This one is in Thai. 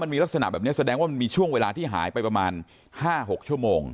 มีลักษณะแบบนี้แสดงว่ามันมีช่วงเวลาที่หายไปประมาณ๕๖ชั่วโมง